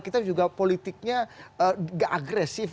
kita juga politiknya gak agresif